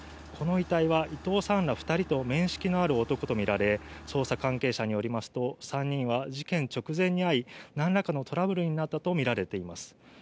この遺体は伊藤さんら２人と面識のある男とみられ、捜査関係者によりますと、３人は事件直前に会い、何らかのトラブルになったとみられています。